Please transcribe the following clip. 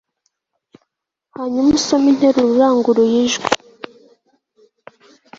Kandi ntabwo yigeze asezera